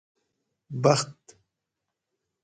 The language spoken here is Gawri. بخت